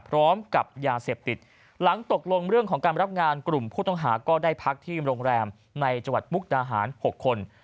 พร้อมกับยาเสพติดหลังตกลงเรื่องของการรับงานกลุ่มผู้ต้องหาก็ได้พักที่โรงแรมในจังหวัดมุกดาหาร๖คน